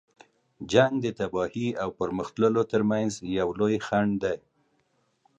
جنګ د تباهۍ او پرمخ تللو تر منځ یو لوی خنډ دی.